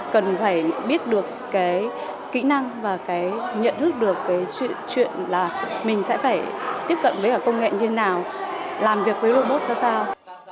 cần phải biết được kỹ năng và nhận thức được chuyện là mình sẽ phải tiếp cận với công nghệ như thế nào làm việc với robot ra sao